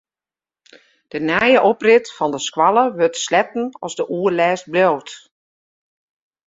De nije oprit fan de skoalle wurdt sletten as de oerlêst bliuwt.